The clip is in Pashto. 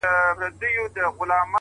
اخلاص د عمل ارزښت څو برابره کوي؛